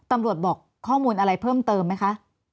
บอกข้อมูลอะไรเพิ่มเติมไหมคะ